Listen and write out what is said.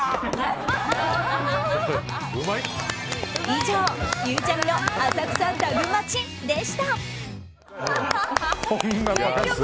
以上、ゆうちゃみの浅草タグマチでした。